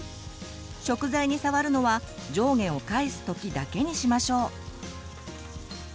食材に触るのは上下を返すときだけにしましょう。